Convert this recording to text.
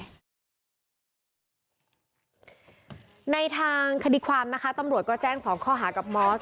ในทางคดีความนะคะตำรวจก็แจ้ง๒ข้อหากับมอส